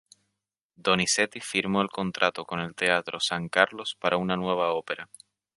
Donizetti firmó el contrato con el Teatro San Carlos para una nueva ópera.